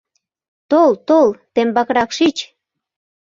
Тол-тол, тембакрак шич.